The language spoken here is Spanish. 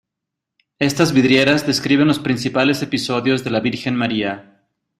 Estas vidrieras describen los principales episodios de la Virgen María.